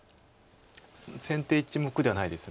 先手１目ではないです。